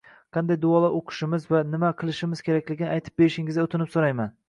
qanday duolar o‘qishimiz va nima qilishimiz kerakligini aytib berishingizni o‘tinib so‘rayman.